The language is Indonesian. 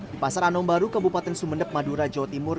di pasar anom baru kabupaten sumeneb madura jawa timur